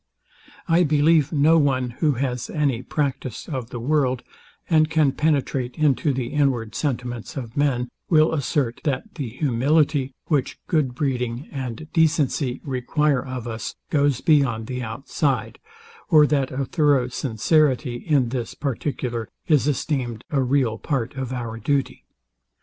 I believe no one, who has any practice of the world, and can penetrate into the inward sentiments of men, will assert, that the humility, which good breeding and decency require of us, goes beyond the outside, or that a thorough sincerity in this particular is esteemed a real part of our duty.